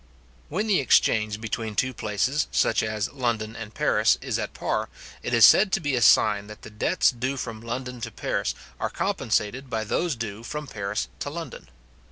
When the exchange between two places, such as London and Paris, is at par, it is said to be a sign that the debts due from London to Paris are compensated by those due from Paris to London.